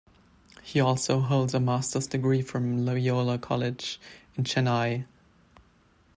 He also holds a master's degree from Loyola College in Chennai.